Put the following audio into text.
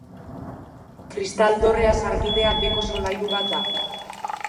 Kristal-Dorrea sarbidea beheko solairu bat da.